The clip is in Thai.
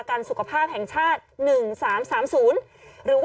กล้องกว้างอย่างเดียว